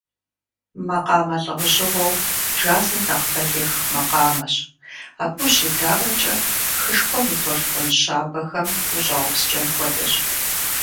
Макъамэ лӏэужьыгъуэу джазыр нэхъ бэлигъ макъамэщ, абы ущедаӏуэкӏэ, хышхуэм и толъкун щабэхэм ущӏаупскӏэм хуэдэщ.